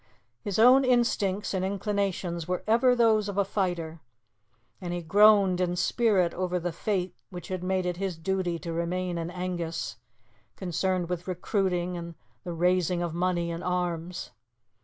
His own instincts and inclinations were ever those of a fighter, and he groaned in spirit over the fate which had made it his duty to remain in Angus, concerned with recruiting and the raising of money and arms.